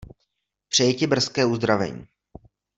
Přeji ti brzké uzdravení.